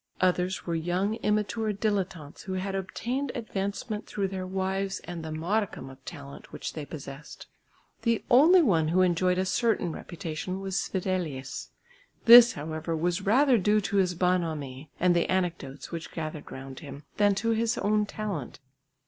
Others were young immature dilettantes who had obtained advancement through their wives and the modicum of talent which they possessed. The only one who enjoyed a certain reputation was Swedelius. This, however, was rather due to his bonhomie and the anecdotes which gathered round him, then to his own talent.